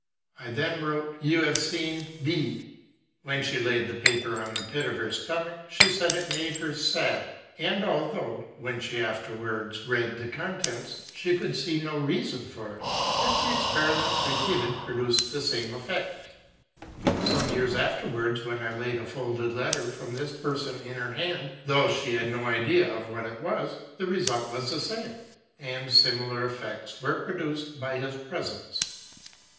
I then wrote, '' You have seen B ." When she laid the paper on the pit of her stomach, she said it made her sad ; and although, when she afterwards read the contents, she could see no reason for it, yet the experiment, repeated, produced the same efiect. Some years after wards, when I laid a folded letter from this person in her hand, though she had no idea what it was, the result was the same ; and similar effects were pro duced by his presence.